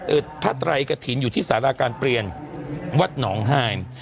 เอ่อภาคไตรกระถิณอยู่ที่ศาลาการเปลี่ยนวัดหนองห้าย